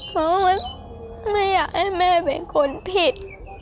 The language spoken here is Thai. เพราะว่าไม่อยากให้แม่เป็นคนผิด